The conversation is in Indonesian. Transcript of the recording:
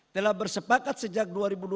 telah bersepakat sejak dua ribu dua puluh